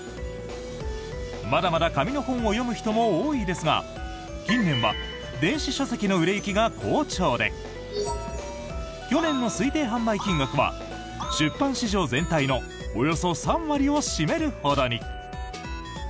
まだまだ紙の本を読む人も多いですが近年は電子書籍の売れ行きが好調で去年の推定販売金額は出版市場全体のおよそ３割を占めるほどに！